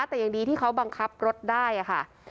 แต่ยังดีที่เขาบังคับรถได้ค่ะ